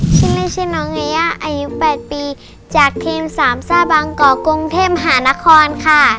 ชื่อเล่นชื่อน้องยายาอายุ๘ปีจากทีมสามซ่าบางกอกกรุงเทพมหานครค่ะ